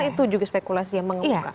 itu juga spekulasi yang mengemuka